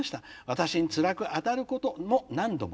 私につらくあたることも何度も。